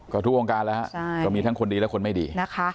ก็ทุกองการแล้วครับก็มีทั้งคนดีและคนไม่ดี